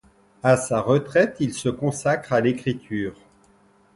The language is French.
À sa retraite, il se consacre à l'écriture.